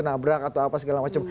nabrak atau segala macam